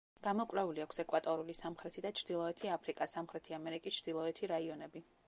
გამოკვლეული აქვს ეკვატორული, სამხრეთი და ჩრდილოეთი აფრიკა, სამხრეთი ამერიკის ჩრდილოეთი რაიონები.